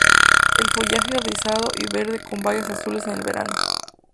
El follaje es rizado y verde con bayas azules en el verano.